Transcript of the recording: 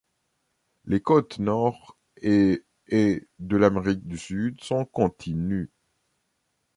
Les côtes nord et est de l'Amérique du Sud sont continues.